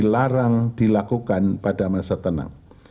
dilarang dilakukan pada masa tenang